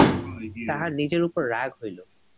তাহার নিজের উপর রাগ হইল।